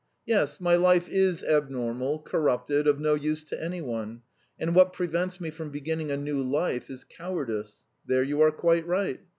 Yes, my life is abnormal, corrupted, of no use to any one, and what prevents me from beginning a new life is cowardice there you are quite right.